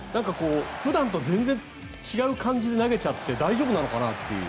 普段と全然違う感じで投げちゃって大丈夫なのかなという。